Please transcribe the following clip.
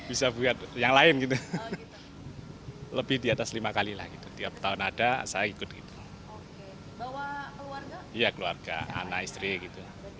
iya keluarga anak istri gitu